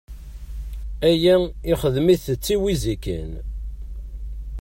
Aya ixdem-it d tiwizi kan.